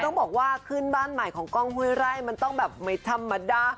ต้องบอกว่าขึ้นบ้านใหม่ของกล้องห้วยไร่มันต้องแบบไม่ธรรมดา